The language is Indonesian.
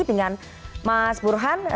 dengan mas burhan